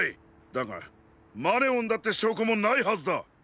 だがマネオンだってしょうこもないはずだ！